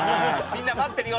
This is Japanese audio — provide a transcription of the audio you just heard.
みんな待ってるよ